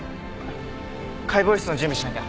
解剖室の準備しなきゃ。